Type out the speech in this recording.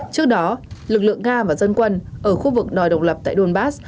trước đó lực lượng nga và dân quân ở khu vực đòi độc lập tại donbass